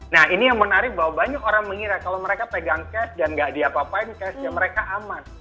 nah ini yang menarik bahwa banyak orang mengira kalau mereka pegang cash dan nggak diapa apain cash ya mereka aman